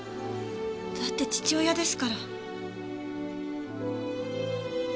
だって父親ですから。